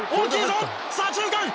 左中間！